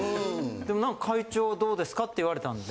でもなんか「会長どうですか？」って言われたんで。